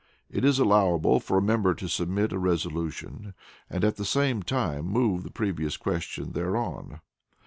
It is allowable for a member to submit a resolution and at the same time move the previous question thereon.